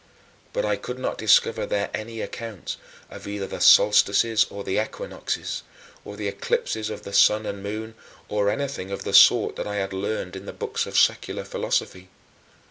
But I could not discover there any account, of either the solstices or the equinoxes, or the eclipses of the sun and moon, or anything of the sort that I had learned in the books of secular philosophy.